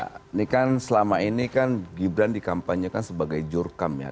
ini kan selama ini kan gibran dikampanyekan sebagai jurkam ya